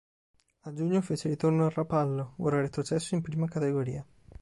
A giugno fece ritorno al Rapallo, ora retrocesso in Prima Categoria.